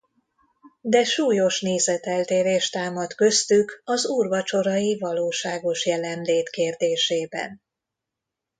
De súlyos nézeteltérés támadt köztük az úrvacsorai valóságos jelenlét kérdésében.